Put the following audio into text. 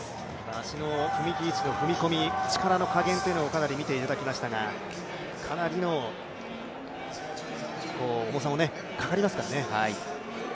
足の踏みきり位置の踏み込み力の加減を見てもらいましたがかなりの重さもかかりますからね。